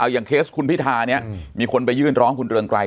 เคสคุณพิธาเนี่ยมีคนไปยื่นร้องคุณเรืองไกร